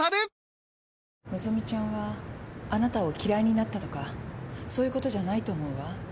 和希ちゃんはあなたを嫌いになったとかそういうことじゃないと思うわ。